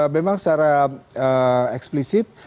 memang secara eksplisit